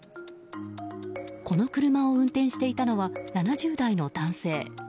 この車を運転していたのは７０代の男性。